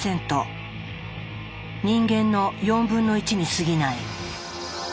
人間の４分の１にすぎない。